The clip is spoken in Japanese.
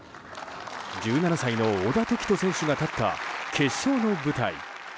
１７歳の小田凱人選が勝った決勝の舞台。